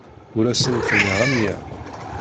Ur asent-nniɣ amya.